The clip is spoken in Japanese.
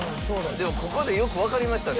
でもここでよくわかりましたね。